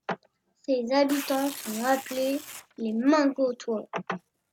Ses habitants sont appelés les Mingotois.